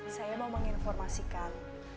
saya mau menginformasikan